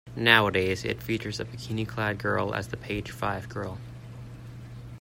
Nowadays it features a bikini-clad girl as the "Page Five Girl".